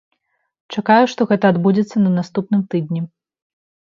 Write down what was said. Чакаю, што гэта адбудзецца на наступным тыдні.